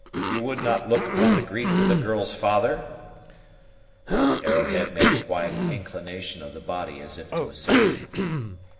You would not look upon the grief of the girl's father?" Arrowhead made a quiet inclination of the body as if to assent.